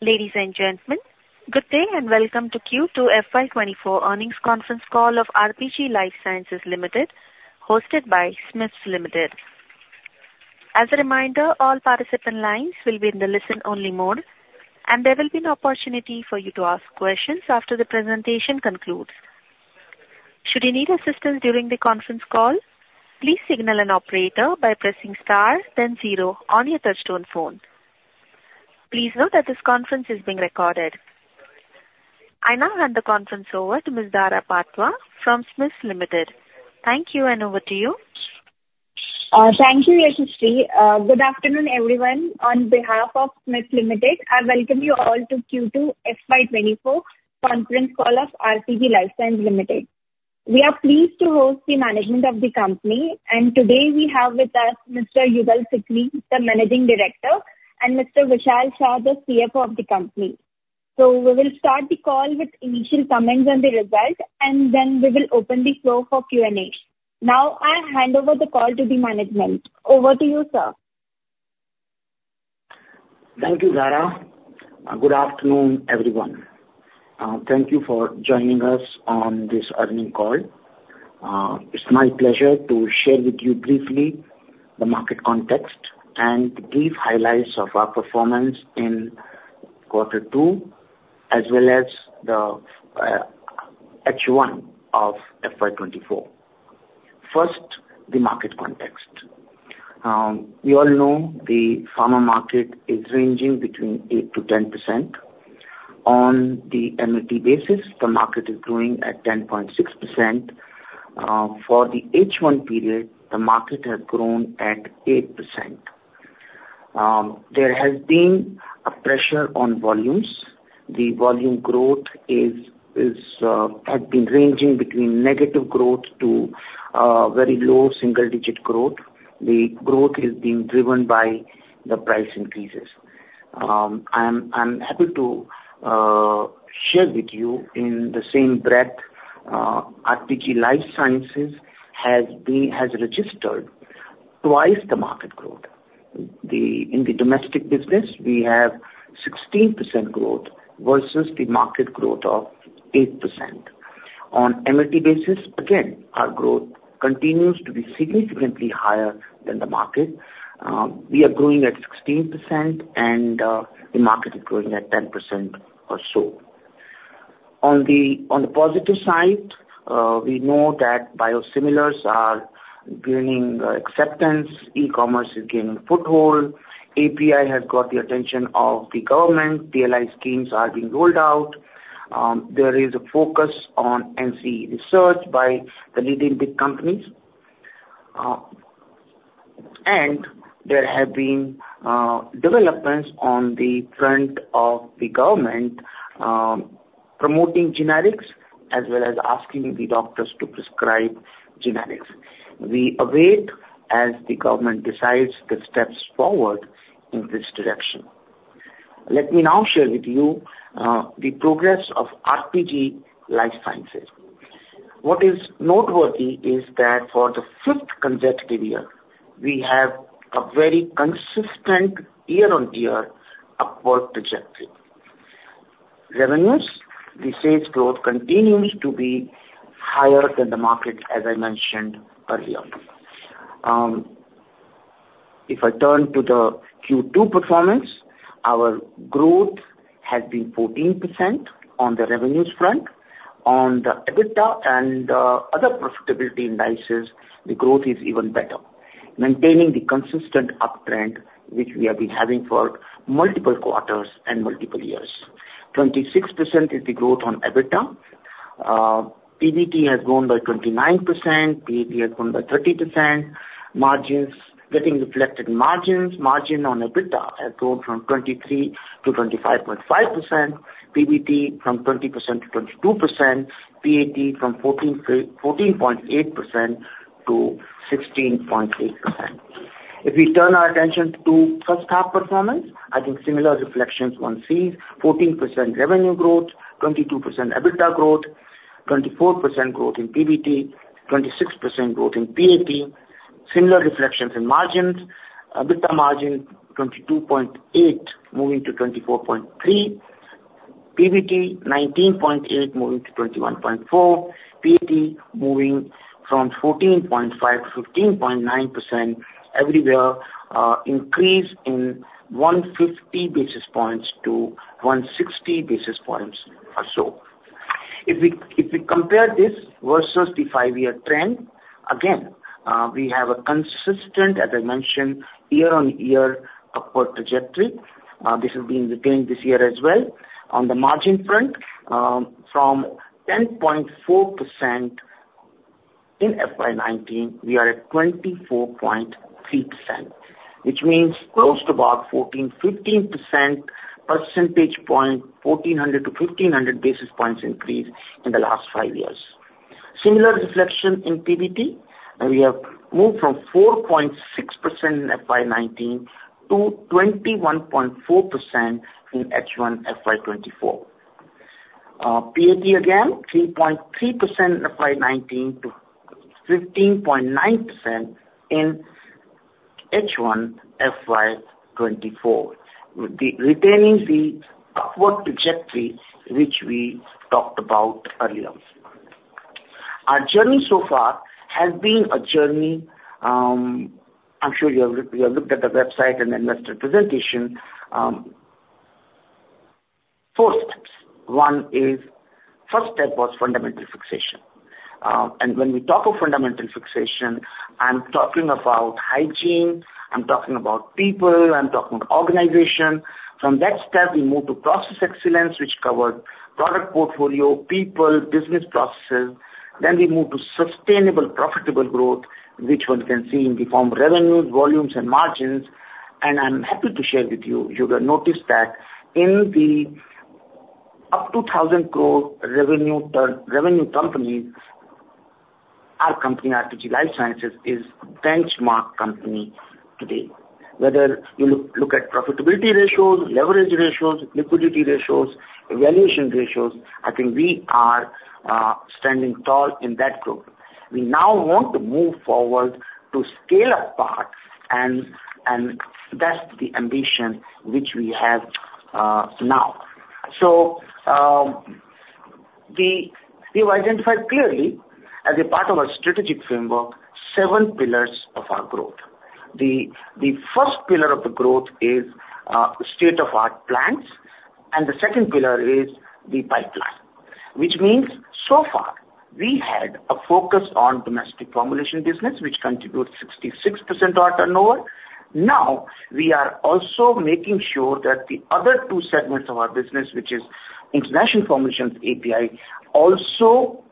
Ladies and gentlemen, good day and welcome to Q2 FY 2024 earnings conference call of RPG Life Sciences Limited, hosted by SMIFS Limited. As a reminder, all participant lines will be in the listen-only mode, and there will be an opportunity for you to ask questions after the presentation concludes. Should you need assistance during the conference call, please signal an operator by pressing star then zero on your touchtone phone. Please note that this conference is being recorded. I now hand the conference over to Ms. Dhara Patwa from SMIFS Limited. Thank you, and over to you. Thank you, Yashasvi. Good afternoon, everyone. On behalf of SMIFS Limited, I welcome you all to Q2 FY 2024 conference call of RPG Life Sciences Limited. We are pleased to host the management of the company, and today we have with us Mr. Yugal Sikri, the Managing Director, and Mr. Vishal Shah, the CFO of the company. So we will start the call with initial comments on the results, and then we will open the floor for Q&A. Now, I hand over the call to the management. Over to you, sir. Thank you, Dhara. Good afternoon, everyone. Thank you for joining us on this earnings call. It's my pleasure to share with you briefly the market context and the brief highlights of our performance in quarter two, as well as the H1 of FY 2024. First, the market context. You all know the pharma market is ranging between 8%-10%. On the MAT basis, the market is growing at 10.6%. For the H1 period, the market has grown at 8%. There has been a pressure on volumes. The volume growth had been ranging between negative growth to very low single-digit growth. The growth is being driven by the price increases. I'm happy to share with you in the same breath, RPG Life Sciences has registered twice the market growth. In the domestic business, we have 16% growth versus the market growth of 8%. On MAT basis, again, our growth continues to be significantly higher than the market. We are growing at 16% and the market is growing at 10% or so. On the positive side, we know that biosimilars are gaining acceptance, e-commerce is gaining foothold, API has got the attention of the government, PLI schemes are being rolled out, there is a focus on NCE research by the leading big companies, and there have been developments on the front of the government promoting generics as well as asking the doctors to prescribe generics. We await as the government decides the steps forward in this direction. Let me now share with you, the progress of RPG Life Sciences. What is noteworthy is that for the fifth consecutive year, we have a very consistent year-on-year upward trajectory. Revenues: the sales growth continues to be higher than the market, as I mentioned earlier. If I turn to the Q2 performance, our growth has been 14% on the revenues front. On the EBITDA and other profitability indices, the growth is even better, maintaining the consistent uptrend which we have been having for multiple quarters and multiple years. 26% is the growth on EBITDA. PBT has grown by 29%, PAT has grown by 30%. Margins getting reflected in margins, margin on EBITDA has grown from 23%-25.5%, PBT from 20%-22%, PAT from 14.8%-16.8%. If we turn our attention to first half performance, I think similar reflections one sees: 14% revenue growth, 22% EBITDA growth, 24% growth in PBT, 26% growth in PAT. Similar reflections in margins, EBITDA margin 22.8%, moving to 24.3%. PBT, 19.8%, moving to 21.4%. PAT, moving from 14.5% -5.9%, everywhere, increase in 150 basis points to 160 basis points or so. If we compare this versus the five-year trend, again, we have a consistent, as I mentioned, year-on-year upward trajectory. This has been retained this year as well. On the margin front, from 10.4% in FY 2019, we are at 24.3%, which means close to about 14-15 percentage points, 1,400-1,500 basis points increase in the last five years. Similar reflection in PBT, and we have moved from 4.6% in FY 2019 to 21.4% in H1 FY 2024. PAT again, 3.3% in FY 2019 to 15.9% in H1 FY 2024. Retaining the upward trajectory, which we talked about earlier. Our journey so far has been a journey, I'm sure you have looked at the website and investor presentation, four steps. One is, first step was fundamental fixation. And when we talk of fundamental fixation, I'm talking about hygiene, I'm talking about people, I'm talking about organization. From that step, we move to process excellence, which covers product portfolio, people, business processes. Then we move to sustainable, profitable growth, which one can see in the form of revenues, volumes and margins. And I'm happy to share with you, you will notice that in the up to 1,000 crore revenue peer companies, our company, RPG Life Sciences, is benchmark company today. Whether you look at profitability ratios, leverage ratios, liquidity ratios, valuation ratios, I think we are standing tall in that group. We now want to move forward to scale up parts, and that's the ambition which we have now. So, we've identified clearly as a part of our strategic framework, seven pillars of our growth. The first pillar of the growth is state-of-the-art plants, and the second pillar is the pipeline. Which means, so far, we had a focus on domestic formulation business, which contributes 66% of our turnover. Now, we are also making sure that the other two segments of our business, which is international formulations API, also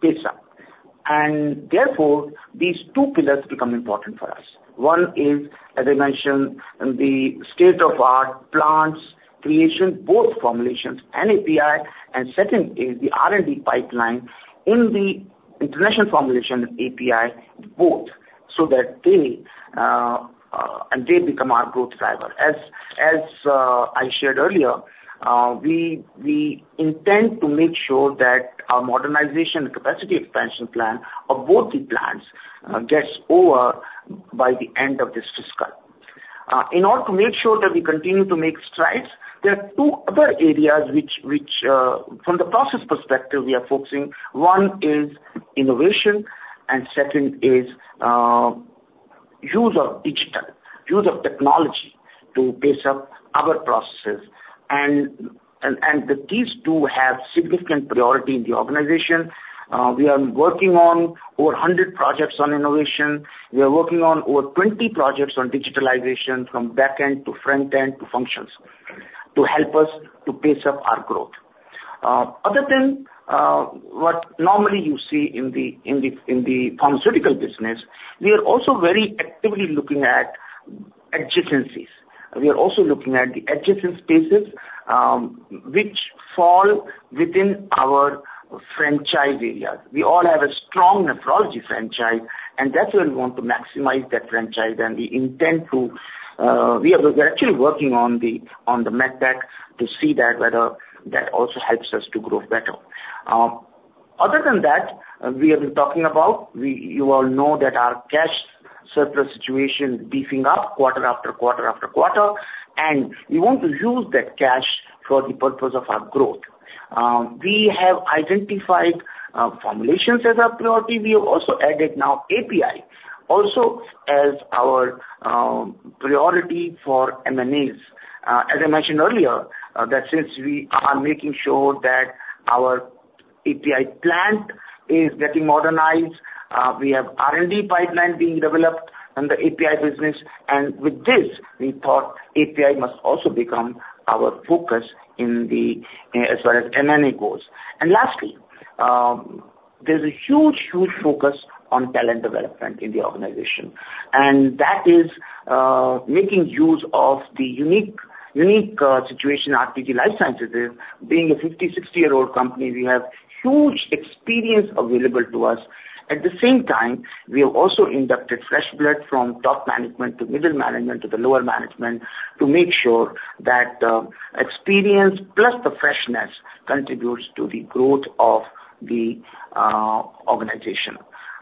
pace up. And therefore, these two pillars become important for us. One is, as I mentioned, the state-of-the-art plants creation, both formulations and API. And second is the R&D pipeline in the international formulation API both, so that they and they become our growth driver. As, as I shared earlier, we intend to make sure that our modernization and capacity expansion plan of both the plants gets over by the end of this fiscal. In order to make sure that we continue to make strides, there are two other areas which, which from the process perspective, we are focusing. One is innovation, and second is use of digital, use of technology to pace up our processes. And these two have significant priority in the organization. We are working on over 100 projects on innovation. We are working on over 20 projects on digitalization, from back end to front end to functions, to help us to pace up our growth. Other than what normally you see in the pharmaceutical business, we are also very actively looking at adjacencies. We are also looking at the adjacent spaces, which fall within our franchise areas. We all have a strong nephrology franchise, and that's where we want to maximize that franchise. And we intend to, we are, we're actually working on the med tech to see that whether that also helps us to grow better. Other than that, we have been talking about, you all know that our cash surplus situation is beefing up quarter after quarter after quarter, and we want to use that cash for the purpose of our growth. We have identified formulations as our priority. We have also added now API also as our priority for M&As. As I mentioned earlier, that since we are making sure that our API plant is getting modernized, we have R&D pipeline being developed in the API business, and with this, we thought API must also become our focus in the as well as M&A goes. Lastly, there's a huge, huge focus on talent development in the organization, and that is making use of the unique, unique situation RPG Life Sciences is. Being a 50 year-60 year-old company, we have huge experience available to us. At the same time, we have also inducted fresh blood from top management to middle management to the lower management, to make sure that experience plus the freshness contributes to the growth of the organization.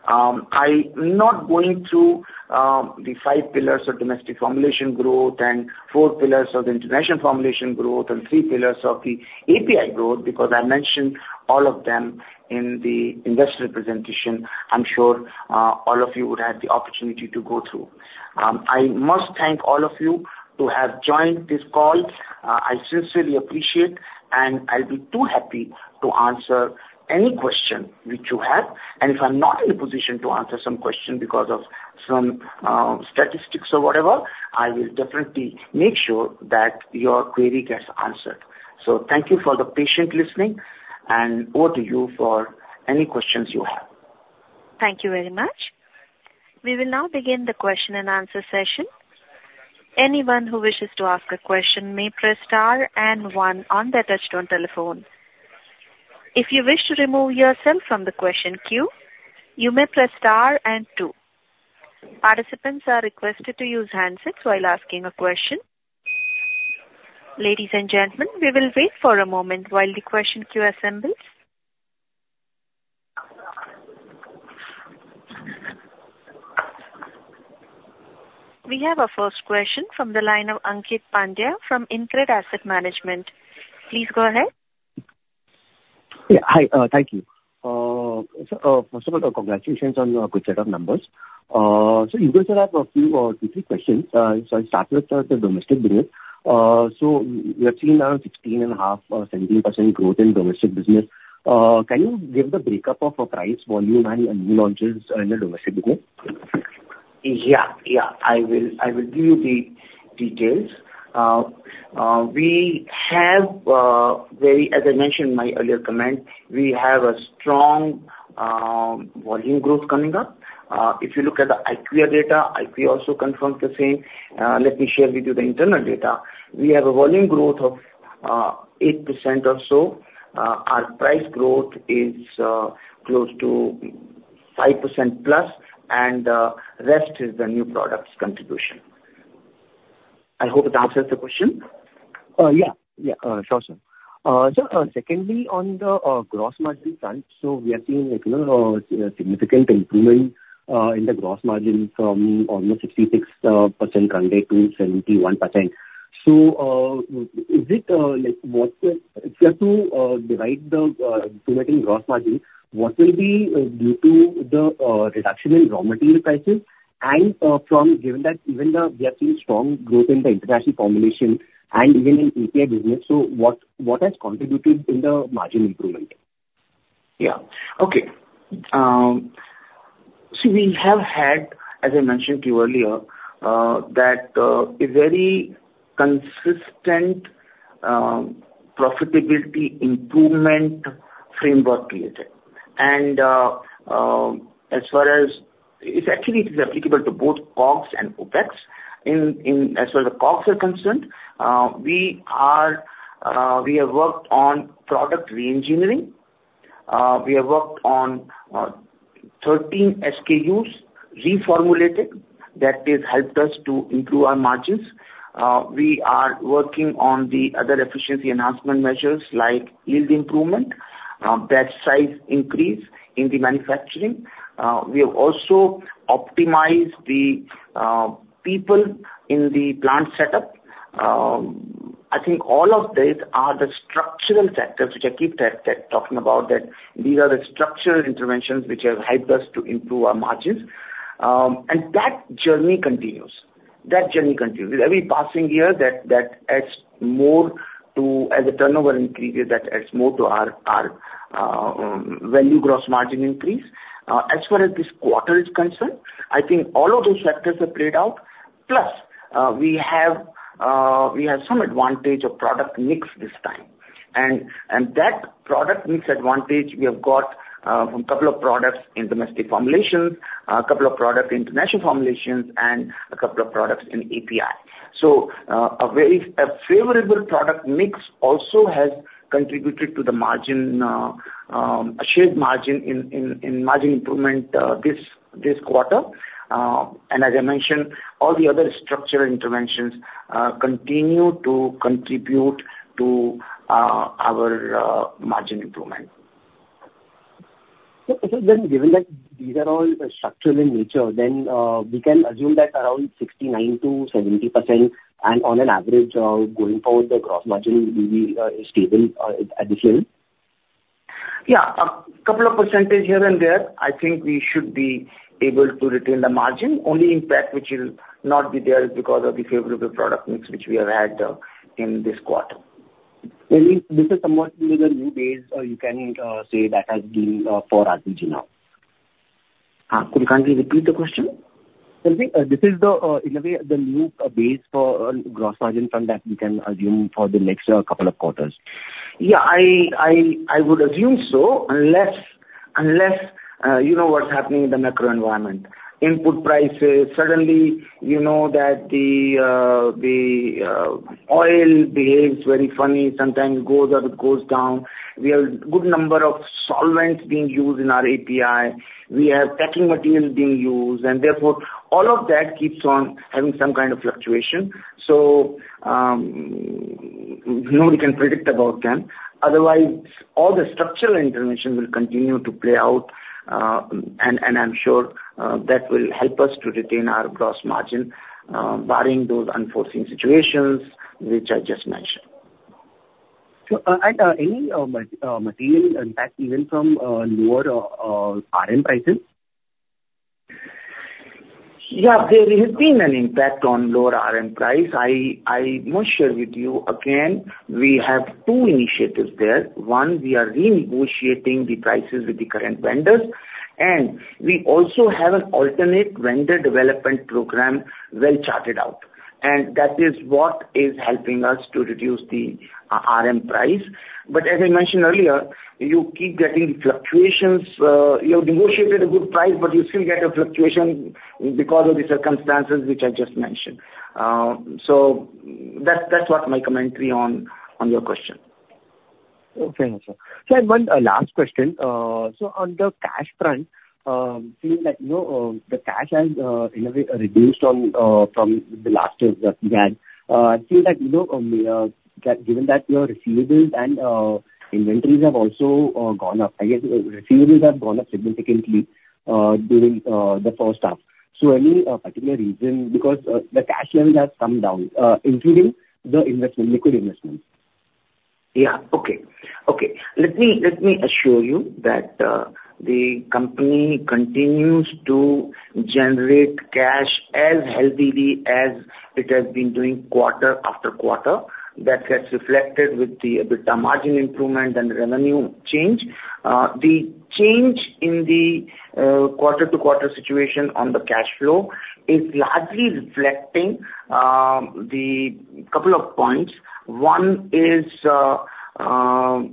I'm not going through the five pillars of domestic formulation growth and four pillars of the international formulation growth, and three pillars of the API growth, because I mentioned all of them in the investor presentation. I'm sure all of you would have the opportunity to go through. I must thank all of you who have joined this call. I sincerely appreciate, and I'll be too happy to answer any question which you have. If I'm not in a position to answer some question because of some statistics or whatever, I will definitely make sure that your query gets answered. Thank you for the patient listening, and over to you for any questions you have. Thank you very much. We will now begin the question and answer session. Anyone who wishes to ask a question may press star and one on their touchtone telephone. If you wish to remove yourself from the question queue, you may press star and two. Participants are requested to use handsets while asking a question. Ladies and gentlemen, we will wait for a moment while the question queue assembles. We have our first question from the line of Ankit Pandya from InCred Asset Management. Please go ahead. Yeah. Hi, thank you. So, first of all, congratulations on your good set of numbers. So you guys have a few, two, three questions. So I'll start with the domestic business. So we are seeing around 16.5%-17% growth in domestic business. Can you give the breakup of price, volume and new launches in the domestic business? Yeah. Yeah, I will give you the details. We have very, as I mentioned in my earlier comment, we have a strong volume growth coming up. If you look at the IQVIA data, IQVIA also confirms the same. Let me share with you the internal data. We have a volume growth of 8% or so. Our price growth is close to 5%+, and rest is the new products contribution. I hope that answers the question. Yeah. Yeah, sure, sir. So, secondly, on the gross margin front, so we are seeing, like, you know, significant improvement in the gross margin from almost 66% runway to 71%. So, is it, like, what... If you have to divide the gross margin, what will be due to the reduction in raw material prices and from given that even the, we are seeing strong growth in the international formulation and even in API business, so what, what has contributed in the margin improvement? Yeah. Okay. So we have had, as I mentioned to you earlier, that a very consistent profitability improvement framework created. And as far as... It's actually, it is applicable to both COGS and OPEX. In as far as the COGS are concerned, we are, we have worked on product reengineering. We have worked on 13 SKUs reformulated, that has helped us to improve our margins. We are working on the other efficiency enhancement measures like yield improvement, batch size increase in the manufacturing. We have also optimized the people in the plant setup. I think all of these are the structural factors which I keep talking about, that these are the structural interventions which have helped us to improve our margins. And that journey continues. That journey continues. With every passing year, that adds more to, as the turnover increases, that adds more to our value gross margin increase. As far as this quarter is concerned, I think all of those factors have played out. Plus, we have some advantage of product mix this time. And that product mix advantage we have got from couple of products in domestic formulations, a couple of products in international formulations, and a couple of products in API. So, a very favorable product mix also has contributed to the margin, a shared margin in margin improvement this quarter. And as I mentioned, all the other structural interventions continue to contribute to our margin improvement. So, and given that these are all structural in nature, then, we can assume that around 69%-70% and on an average, going forward, the gross margin will be stable at this level? Yeah. A couple of percentage here and there, I think we should be able to retain the margin. Only impact which will not be there is because of the favorable product mix, which we have had in this quarter. This is somewhat the new base, or you can say that has been for RPG now? Can you kindly repeat the question? This is the, in a way, the new base for gross margin from that we can assume for the next couple of quarters. Yeah, I would assume so, unless you know what's happening in the macro environment. Input prices suddenly, you know that the oil behaves very funny, sometimes it goes up, it goes down. We have good number of solvents being used in our API. We have packing materials being used, and therefore all of that keeps on having some kind of fluctuation. So no one can predict about them. Otherwise, all the structural interventions will continue to play out, and, and I'm sure that will help us to retain our gross margin, barring those unforeseen situations which I just mentioned. Any material impact even from lower RM prices? Yeah, there has been an impact on lower RM price. I, I must share with you again, we have two initiatives there. One, we are renegotiating the prices with the current vendors, and we also have an alternate vendor development program well charted out, and that is what is helping us to reduce the RM price. But as I mentioned earlier, you keep getting fluctuations. You have negotiated a good price, but you still get a fluctuation because of the circumstances which I just mentioned. So that's, that's what my commentary on, on your question.... Okay, sir. So I have one last question. So on the cash front, seeing that, you know, the cash has, in a way, reduced from the last years that we had, I see that, you know, that given that your receivables and inventories have also gone up, I guess receivables have gone up significantly during the first half. So any particular reason? Because the cash level has come down, including the investment, liquid investment. Yeah. Okay. Okay. Let me, let me assure you that, the company continues to generate cash as healthily as it has been doing quarter after quarter. That gets reflected with the margin improvement and revenue change. The change in the quarter-to-quarter situation on the cash flow is largely reflecting the couple of points. One is,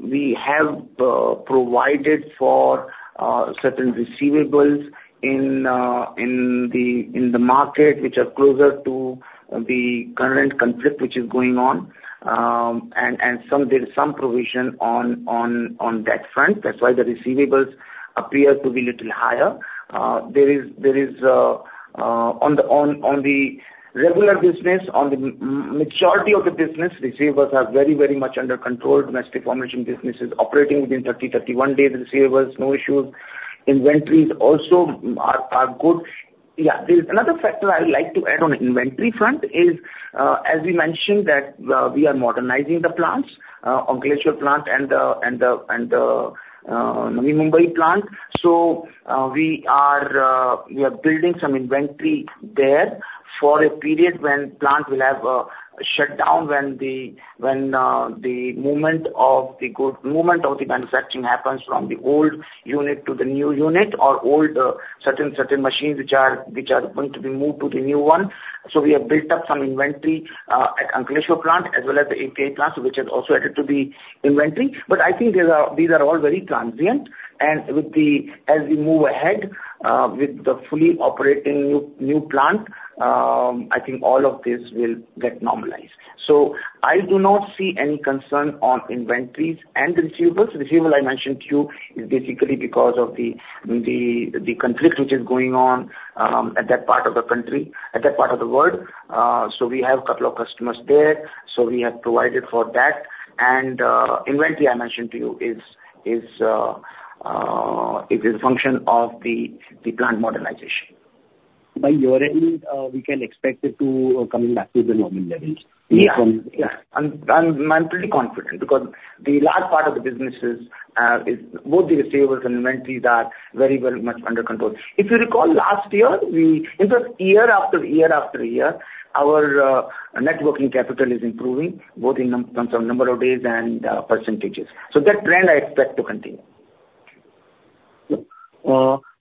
we have provided for certain receivables in the market, which are closer to the current conflict, which is going on. And some there is some provision on that front. That's why the receivables appear to be little higher. There is, on the regular business, on the majority of the business, receivables are very, very much under control. Domestic formulation business is operating within 30 days-31 days. Receivables, no issues. Inventories also are good. Yeah. There's another factor I would like to add on the inventory front is, as we mentioned, that we are modernizing the plants, Ankleshwar plant and the Navi Mumbai plant. So, we are building some inventory there for a period when plant will have shut down, when the movement of the manufacturing happens from the old unit to the new unit, or certain machines, which are going to be moved to the new one. So we have built up some inventory at Ankleshwar plant as well as the API plant, which has also added to the inventory. But I think these are all very transient, and with the... As we move ahead with the fully operating new plant, I think all of this will get normalized. So I do not see any concern on inventories and receivables. Receivable, I mentioned to you, is basically because of the conflict which is going on at that part of the country, at that part of the world. So we have a couple of customers there, so we have provided for that. Inventory, I mentioned to you, is a function of the plant modernization. By year-end, we can expect it to coming back to the normal levels? Yeah. Yeah. I'm pretty confident, because the large part of the businesses is both the receivables and inventories are very, very much under control. If you recall, last year, we in fact, year after year after year, our net working capital is improving, both in terms of number of days and percentages. So that trend I expect to continue.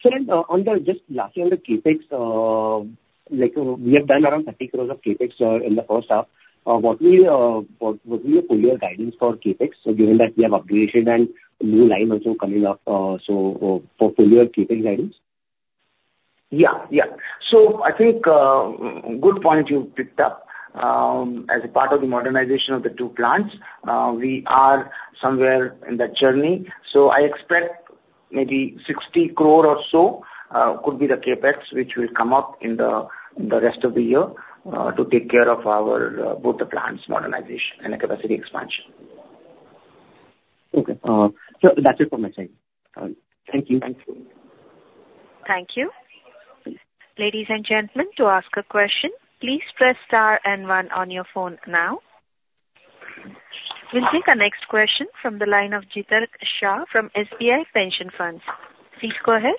So then, on the, just lastly, on the CapEx, like we have done around 30 crores of CapEx, in the first half, what will be your full-year guidance for CapEx? So given that we have upgraded and new line also coming up, so, for full-year CapEx guidance. Yeah, yeah. So I think, good point you picked up. As a part of the modernization of the two plants, we are somewhere in that journey. So I expect maybe 60 crore or so, could be the CapEx, which will come up in the, in the rest of the year, to take care of our, both the plants modernization and the capacity expansion. Okay. That's it from my side. Thank you. Thank you. Thank you. Ladies and gentlemen, to ask a question, please press star and one on your phone now. We'll take our next question from the line of Jitark Shah from SBI Pension Funds. Please go ahead.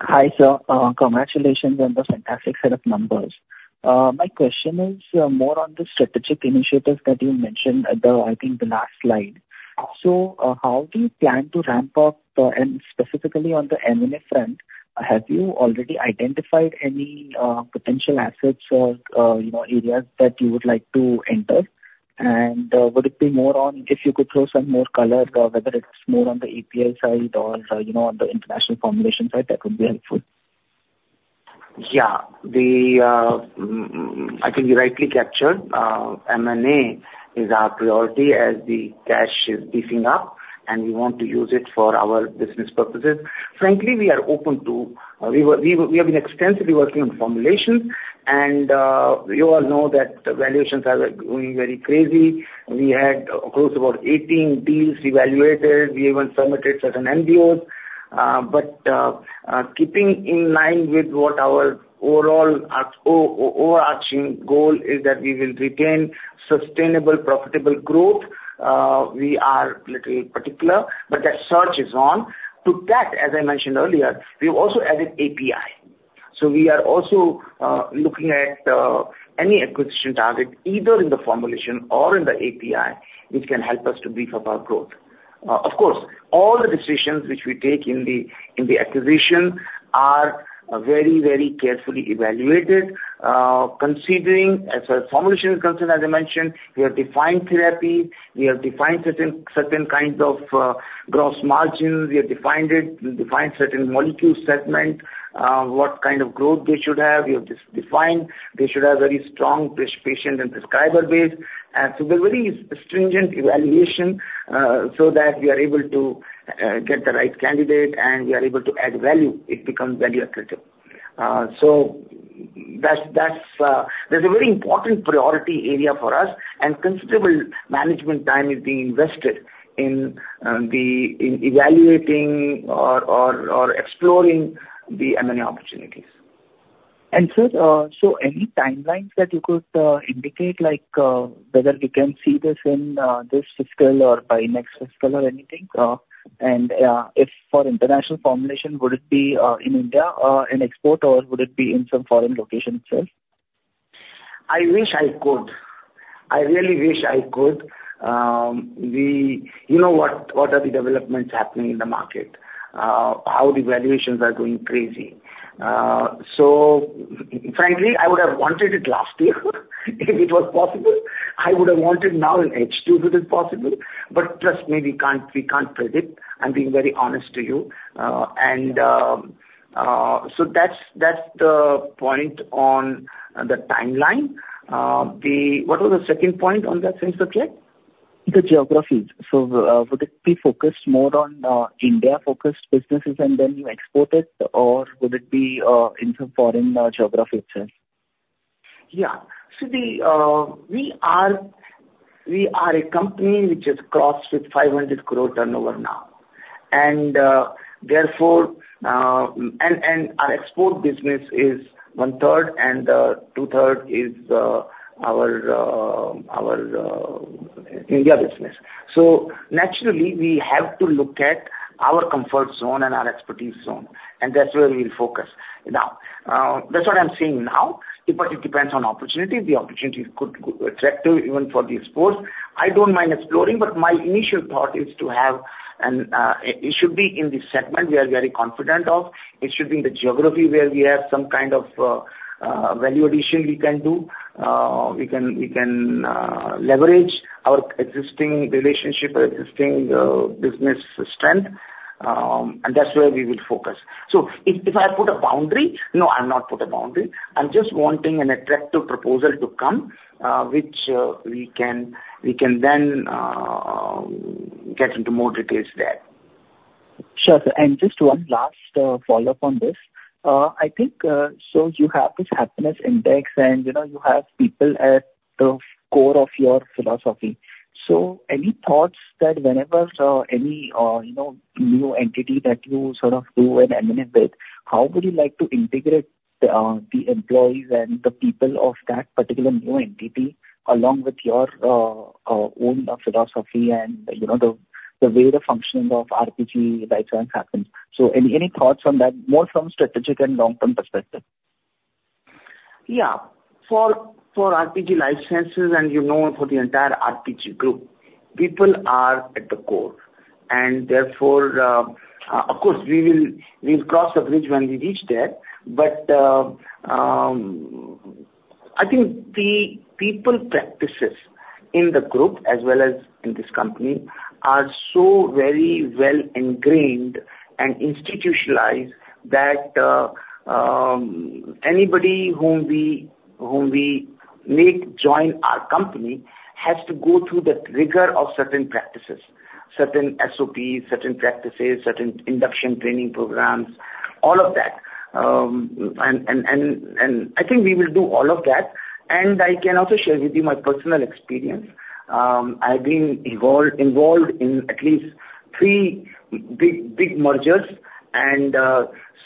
Hi, sir. Congratulations on the fantastic set of numbers. My question is more on the strategic initiatives that you mentioned at the, I think, the last slide. So, how do you plan to ramp up, and specifically on the M&A front, have you already identified any potential assets or, you know, areas that you would like to enter? And, would it be more on if you could throw some more color, whether it's more on the API side or, you know, on the international formulation side, that would be helpful. Yeah. I think you rightly captured, M&A is our priority as the cash is beefing up, and we want to use it for our business purposes. Frankly, we are open to... we have been extensively working on formulation, and you all know that the valuations are going very crazy. We had close to about 18 deals evaluated. We even submitted certain MOUs. But keeping in line with what our overall overarching goal is that we will retain sustainable, profitable growth, we are little particular, but that search is on. To that, as I mentioned earlier, we've also added API. So we are also looking at any acquisition target, either in the formulation or in the API, which can help us to beef up our growth. Of course, all the decisions which we take in the acquisition are very, very carefully evaluated, considering as a formulation concern as I mentioned, we have defined therapy, we have defined certain, certain kinds of gross margins. We have defined it. We've defined certain molecule segment, what kind of growth they should have. We have just defined. They should have very strong patient and prescriber base. So there's very stringent evaluation, so that we are able to get the right candidate, and we are able to add value, it becomes value accretive. So that's, that's a very important priority area for us, and considerable management time is being invested in evaluating or exploring the M&A opportunities. And, sir, so any timelines that you could indicate, like, whether we can see this in this fiscal or by next fiscal or anything? And if for international formulation, would it be in India or in export, or would it be in some foreign location, sir? I wish I could. I really wish I could. You know what, what are the developments happening in the market, how the valuations are going crazy. So frankly, I would have wanted it last year if it was possible. I would have wanted now in H2, if it is possible, but trust me, we can't, we can't predict. I'm being very honest to you. So that's, that's the point on the timeline. What was the second point on that thing, sorry? The geographies. So, would it be focused more on India-focused businesses and then you export it, or would it be in some foreign geography itself? Yeah. So we are a company which has crossed 500 crore turnover now. And therefore, our export business is one third, and two third is our India business. So naturally, we have to look at our comfort zone and our expertise zone, and that's where we'll focus. Now, that's what I'm saying now, but it depends on opportunity. The opportunity could go attractive even for the exports. I don't mind exploring, but my initial thought is it should be in the segment we are very confident of. It should be in the geography, where we have some kind of value addition we can do. We can leverage our existing relationship or existing business strength, and that's where we will focus. So if I put a boundary? No, I'll not put a boundary. I'm just wanting an attractive proposal to come, which we can then get into more details there. Sure, sir. And just one last, follow-up on this. I think, so you have this happiness index, and, you know, you have people at the core of your philosophy. So any thoughts that whenever, any, you know, new entity that you sort of do an M&A with, how would you like to integrate, the employees and the people of that particular new entity, along with your, own philosophy and, you know, the, the way the functioning of RPG Life Sciences happens? So any thoughts on that, more from strategic and long-term perspective? Yeah. For RPG Life Sciences, and you know, for the entire RPG group, people are at the core. And therefore, of course, we'll cross the bridge when we reach there. But I think the people practices in the group, as well as in this company, are so very well-ingrained and institutionalized that anybody whom we make join our company has to go through the rigor of certain practices, certain SOPs, certain practices, certain induction training programs, all of that. And I think we will do all of that. And I can also share with you my personal experience. I've been involved in at least three big mergers, and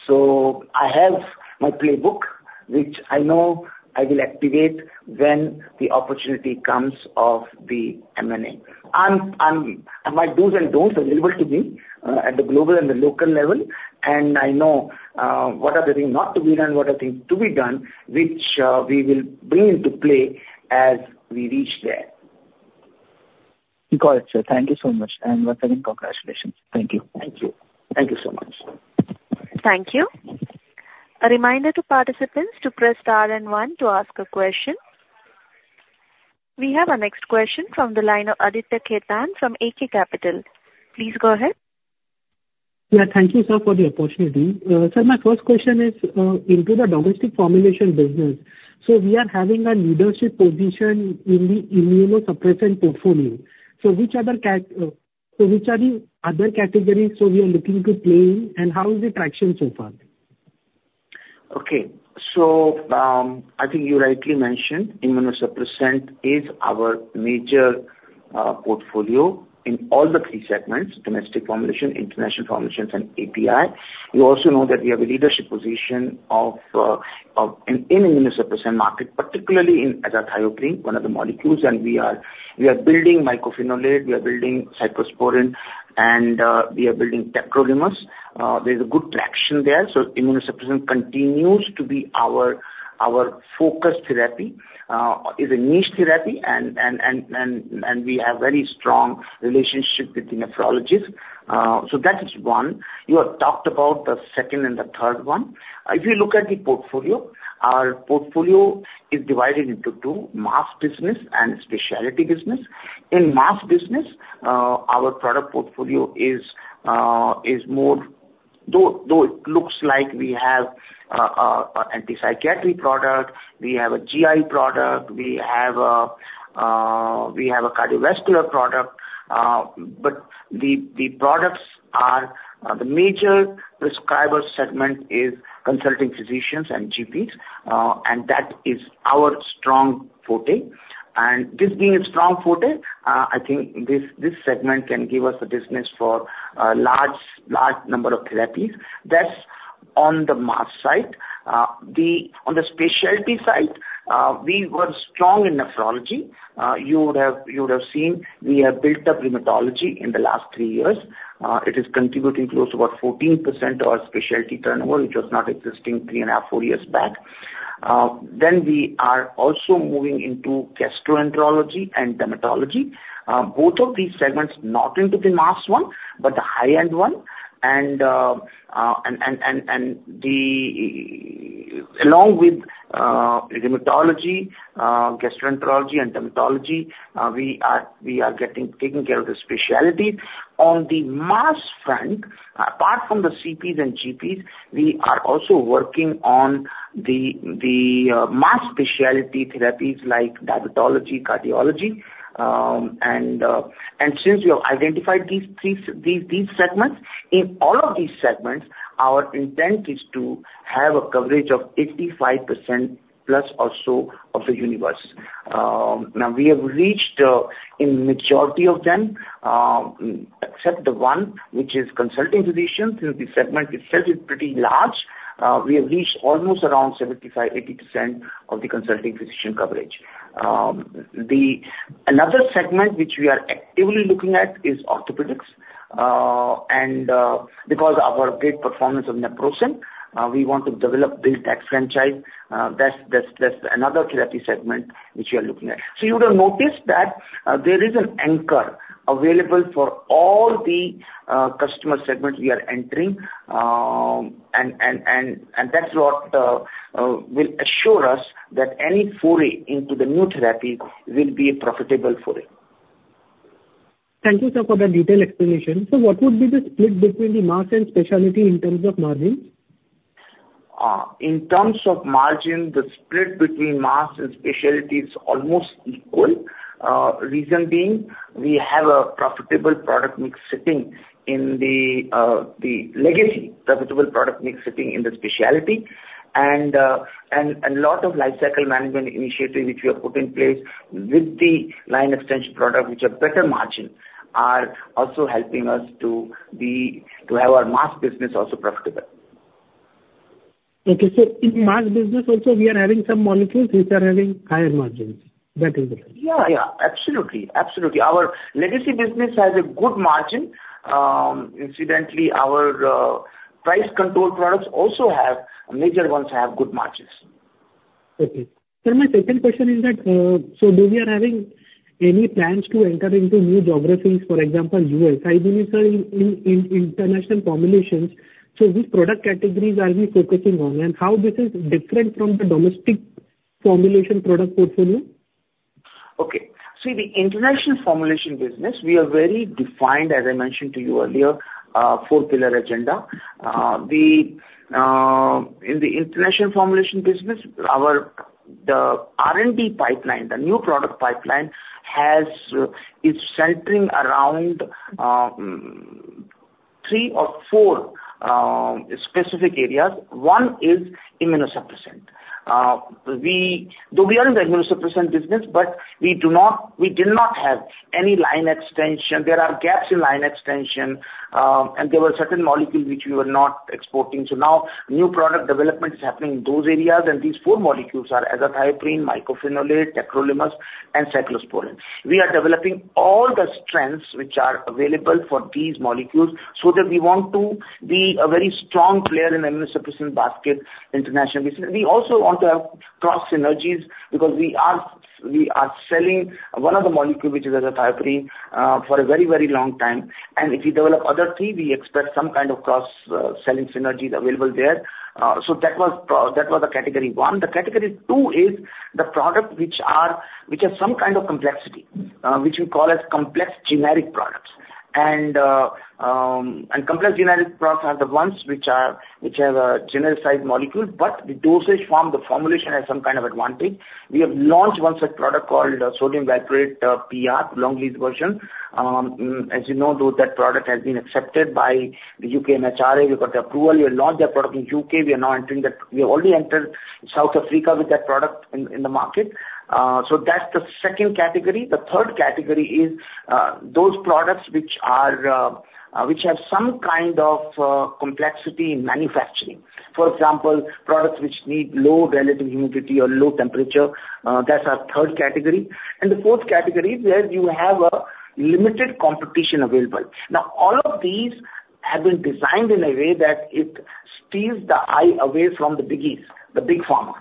so I have my playbook, which I know I will activate when the opportunity comes of the M&A. My dos and don'ts are delivered to me at the global and the local level, and I know what are the things not to be done, what are things to be done, which we will bring into play as we reach there. Got it, sir. Thank you so much, and once again, congratulations. Thank you. Thank you. Thank you so much. Thank you. A reminder to participants to press star and one to ask a question. We have our next question from the line of Aditya Khetan from AK Capital. Please go ahead. Yeah, thank you, sir, for the opportunity. Sir, my first question is into the domestic formulation business. So we are having a leadership position in the immunosuppressant portfolio. So which are the other categories so we are looking to play in, and how is the traction so far? Okay. So, I think you rightly mentioned, immunosuppressant is our major portfolio in all the three segments: domestic formulation, international formulations, and API. You also know that we have a leadership position in immunosuppressant market, particularly in Azathioprine, one of the molecules, and we are building Mycophenolate, we are building Cyclosporine, and we are building Tacrolimus. There's a good traction there, so immunosuppressant continues to be our focus therapy. It is a niche therapy and we have very strong relationship with the nephrologist. So that is one. You have talked about the second and the third one. If you look at the portfolio, our portfolio is divided into two: mass business and specialty business. In mass business, our product portfolio is more-... Though it looks like we have a antipsychotic product, we have a GI product, we have a cardiovascular product, but the products are the major prescriber segment is consulting physicians and GPs, and that is our strong forte. And this being a strong forte, I think this segment can give us a business for a large, large number of therapies. That's on the mass side. On the specialty side, we were strong in nephrology. You would have seen, we have built up rheumatology in the last three years. It is contributing close to about 14% of our specialty turnover, which was not existing three and a half, four years back. Then we are also moving into gastroenterology and dermatology. Both of these segments, not into the mass one, but the high-end one. Along with rheumatology, gastroenterology and dermatology, we are taking care of the specialty. On the mass front, apart from the CPs and GPs, we are also working on the mass specialty therapies like diabetology, cardiology. Since we have identified these segments, in all of these segments, our intent is to have a coverage of 85%+ or so of the universe. Now, we have reached in majority of them, except the one which is consulting physicians. So the segment itself is pretty large. We have reached almost around 75%-80% of the consulting physician coverage. The... Another segment which we are actively looking at is orthopedics, and because of our great performance of Naprosyn, we want to develop, build that franchise. That's another therapy segment which we are looking at. So you would have noticed that, there is an anchor available for all the customer segments we are entering, and that's what will assure us that any foray into the new therapy will be a profitable foray. Thank you, sir, for the detailed explanation. So what would be the split between the mass and specialty in terms of margins? In terms of margin, the split between mass and specialty is almost equal. Reason being, we have a profitable product mix sitting in the legacy profitable product mix sitting in the specialty. And lot of life cycle management initiatives which we have put in place with the line extension product, which have better margin, are also helping us to have our mass business also profitable. Okay. In mass business also, we are having some molecules which are having higher margins, that is it? Yeah, yeah, absolutely. Absolutely. Our legacy business has a good margin. Incidentally, our price control products also have, major ones have good margins. Okay. Sir, my second question is that, so do we are having any plans to enter into new geographies, for example, U.S.? I believe, sir, in, in, in international formulations, so which product categories are we focusing on, and how this is different from the domestic formulation product portfolio? Okay. So the international formulation business, we are very defined, as I mentioned to you earlier, a four-pillar agenda. In the international formulation business, our R&D pipeline, the new product pipeline, is centering around three or four specific areas. One is immunosuppressant. Though we are in the immunosuppressant business, but we did not have any line extension. There are gaps in line extension, and there were certain molecules which we were not exporting. So now new product development is happening in those areas, and these four molecules are Azathioprine, Mycophenolate, Tacrolimus, and Cyclosporine. We are developing all the strengths which are available for these molecules, so that we want to be a very strong player in the immunosuppressant basket, international business. We also want to have cross synergies because we are selling one of the molecule, which is Azathioprine, for a very, very long time, and if we develop other three, we expect some kind of cross selling synergies available there. So that was the category one. The category two is the product which have some kind of complexity, which we call as complex generic products. Complex generic products are the ones which have a genericized molecule, but the dosage form, the formulation has some kind of advantage. We have launched one such product called Sodium Valproate PR, long-release version. As you know, though, that product has been accepted by the UK MHRA. We got the approval. We have launched that product in UK. We are now entering that... We have already entered South Africa with that product in the market. So that's the second category. The third category is those products which have some kind of complexity in manufacturing. For example, products which need low relative humidity or low temperature, that's our third category. And the fourth category is where you have a limited competition available. Now, all of these have been designed in a way that it steals the eye away from the biggies, the Big Pharma.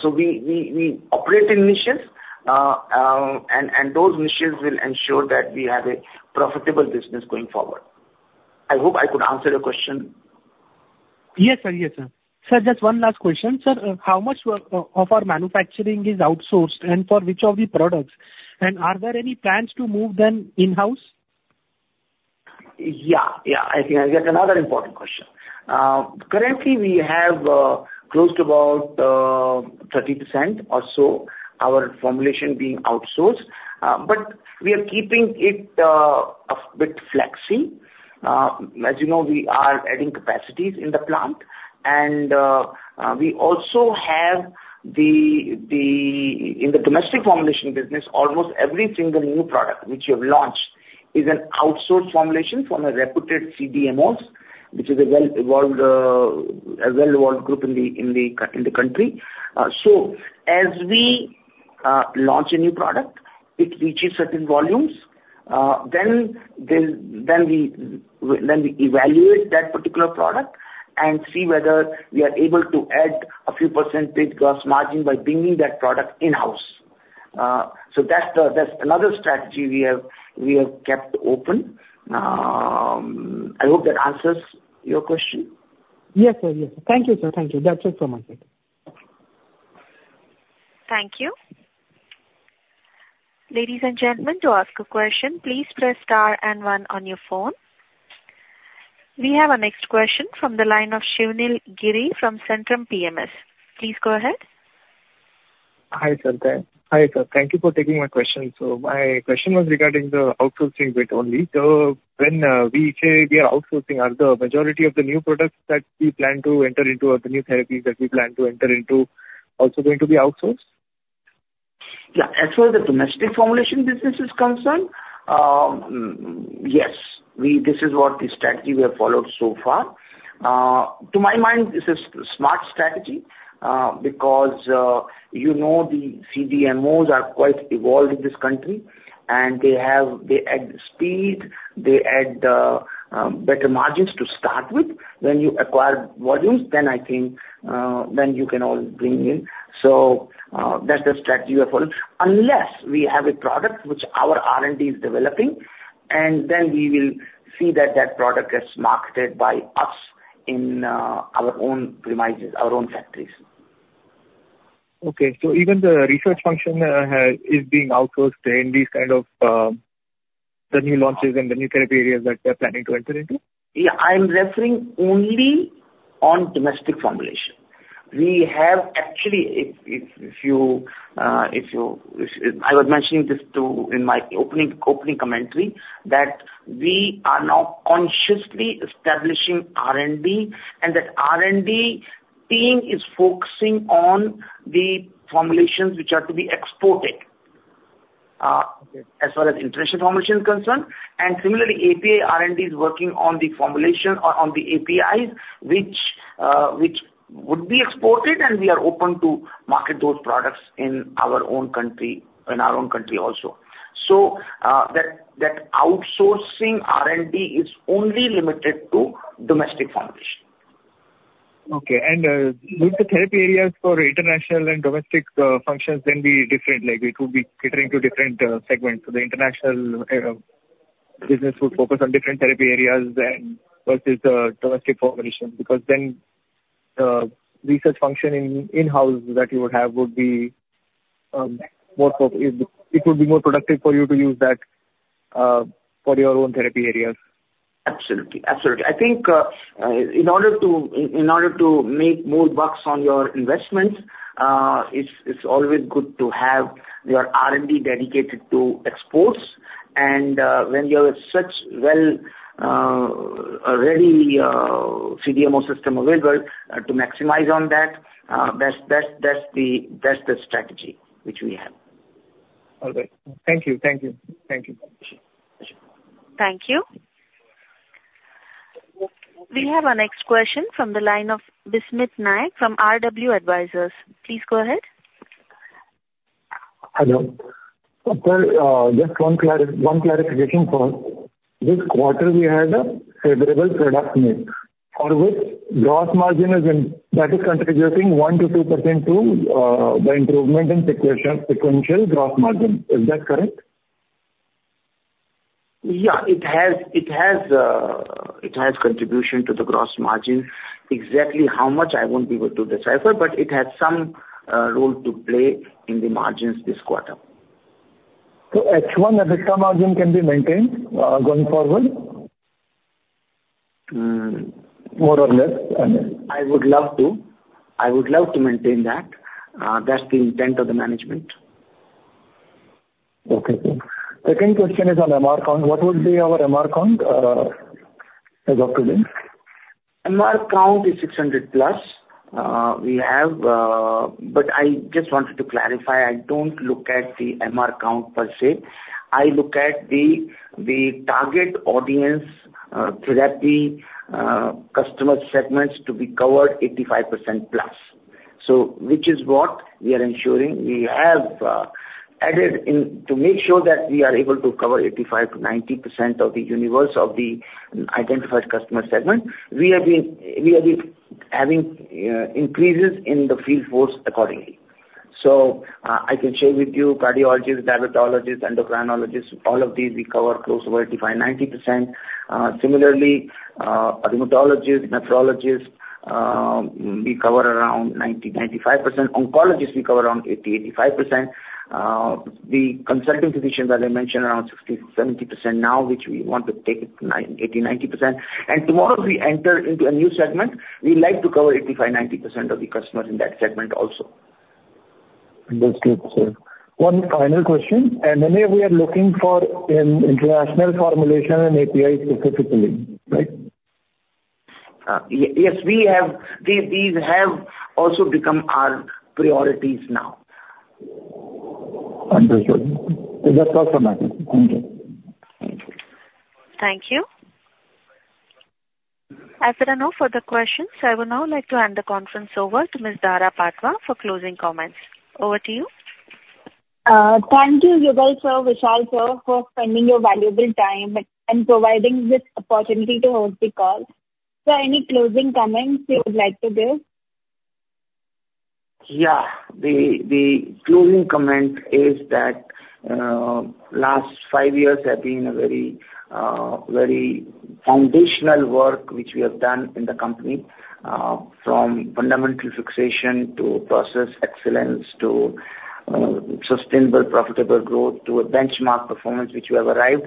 So we operate in niches, and those niches will ensure that we have a profitable business going forward. I hope I could answer your question.... Yes, sir. Yes, sir. Sir, just one last question. Sir, how much work of our manufacturing is outsourced, and for which of the products, and are there any plans to move them in-house? Yeah, yeah, I think that's another important question. Currently we have close to about 30% or so of our formulation being outsourced, but we are keeping it a bit flexi. As you know, we are adding capacities in the plant, and in the domestic formulation business, almost every single new product which we have launched is an outsourced formulation from a reputed CDMOs, which is a well-evolved group in the country. So as we launch a new product, it reaches certain volumes, then we evaluate that particular product and see whether we are able to add a few percentage gross margin by bringing that product in-house. So that's another strategy we have kept open. I hope that answers your question. Yes, sir. Yes. Thank you, sir. Thank you. That's it from my side. Thank you. Ladies and gentlemen, to ask a question, please press star and one on your phone. We have our next question from the line of Shivnal Giri from Centrum PMS. Please go ahead. Hi, Sikri. Hi, sir. Thank you for taking my question. So my question was regarding the outsourcing bit only. So when we say we are outsourcing, are the majority of the new products that we plan to enter into, or the new therapies that we plan to enter into, also going to be outsourced? Yeah. As far as the domestic formulation business is concerned, yes, this is what the strategy we have followed so far. To my mind, this is smart strategy, because, you know, the CDMOs are quite evolved in this country, and they have... They add speed, they add, better margins to start with. When you acquire volumes, then I think, then you can always bring in. So, that's the strategy we are following. Unless we have a product which our R&D is developing, and then we will see that that product gets marketed by us in, our own premises, our own factories. Okay. So even the research function has, is being outsourced in these kind of the new launches and the new therapy areas that we're planning to enter into? Yeah, I'm referring only on domestic formulation. We have actually, I was mentioning this, too, in my opening commentary, that we are now consciously establishing R&D, and that R&D team is focusing on the formulations which are to be exported. Okay. As well as international formulation is concerned. And similarly, API R&D is working on the formulation or on the APIs, which would be exported, and we are open to market those products in our own country, in our own country also. So, that outsourcing R&D is only limited to domestic formulation. Okay. Would the therapy areas for international and domestic functions then be different? Like, it would be catering to different segments. So the international business would focus on different therapy areas than versus the domestic formulation, because then, research function in-house that you would have would be more productive for you to use that for your own therapy areas. Absolutely. Absolutely. I think, in order to make more bucks on your investment, it's always good to have your R&D dedicated to exports. And, when you have such well ready CDMO system available, to maximize on that, that's the strategy which we have. All right. Thank you. Thank you. Thank you. Thank you. We have our next question from the line of Bismit Nayak from RW Advisors. Please go ahead. Hello. Sir, just one clarification for this quarter, we had a favorable product mix, for which gross margin is in, that is contributing 1%-2% to the improvement in sequential gross margin. Is that correct? Yeah. It has contribution to the gross margin. Exactly how much, I won't be able to decipher, but it has some role to play in the margins this quarter. H1, EBITDA margin can be maintained, going forward? Mm. More or less, I mean. I would love to. I would love to maintain that. That's the intent of the management. Okay. Cool. Second question is on MR count. What would be our MR count, as of today? MR count is 600+. But I just wanted to clarify, I don't look at the MR count per se. I look at the target audience, therapy, customer segments to be covered 85%+. So which is what we are ensuring. We have added in to make sure that we are able to cover 85%-90% of the universe of the identified customer segment. We have been, we have been having increases in the field force accordingly. So, I can share with you cardiologists, dermatologists, endocrinologists, all of these we cover close to 85%-90%. Similarly, rheumatologists, nephrologists, we cover around 90%-95%. Oncologists, we cover around 80%-85%. The consulting physicians that I mentioned, around 60%-70% now, which we want to take it to 80%-90%. Tomorrow, we enter into a new segment. We like to cover 85%-90% of the customers in that segment also. That's good, sir. One final question, and then we are looking for an international formulation and API specifically, right? Yes, we have. These have also become our priorities now. Understood. That's all for now. Thank you. Thank you. As there are no further questions, I would now like to hand the conference over to Ms. Dhara Patwa for closing comments. Over to you. Thank you, Yugal sir, Vishal sir, for spending your valuable time and providing this opportunity to host the call. Sir, any closing comments you would like to give? Yeah. The closing comment is that last five years have been a very very foundational work, which we have done in the company, from fundamental fixation to process excellence, to sustainable, profitable growth, to a benchmark performance, which we have arrived.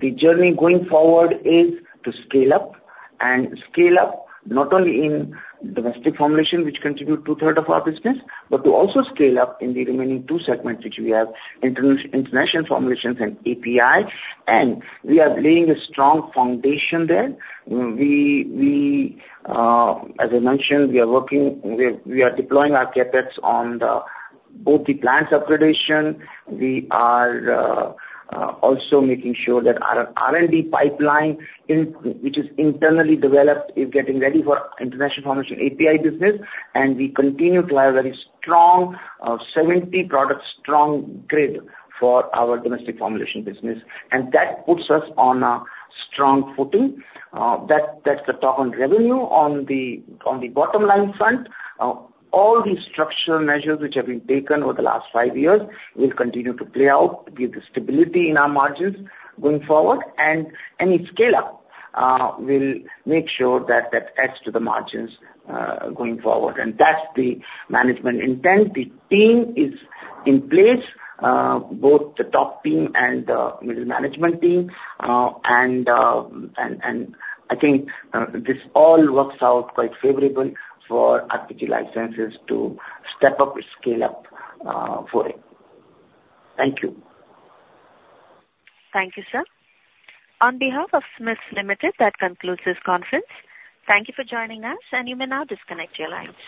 The journey going forward is to scale up, and scale up not only in domestic formulation, which contribute two-thirds of our business, but to also scale up in the remaining two segments, which we have: international formulations and API. And we are laying a strong foundation there. We, as I mentioned, are deploying our CapEx on both the plants upgradation. We are also making sure that our R&D pipeline, which is internally developed, is getting ready for international formulation, API business. We continue to have a very strong, 70 product strong grid for our domestic formulation business, and that puts us on a strong footing. That, that's the talk on revenue. On the bottom line front, all the structural measures which have been taken over the last five years will continue to play out, give the stability in our margins going forward. And any scale-up will make sure that that adds to the margins going forward, and that's the management intent. The team is in place, both the top team and the middle management team. And I think this all works out quite favorable for RPG Life Sciences to step up its scale-up for it. Thank you. Thank you, sir. On behalf of SMIFS Limited, that concludes this conference. Thank you for joining us, and you may now disconnect your lines.